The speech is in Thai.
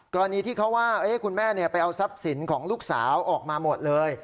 กรณีที่เขาว่าคุณแม่ไปเอาทรัพย์สินของลูกสาวออกมาหมดเลย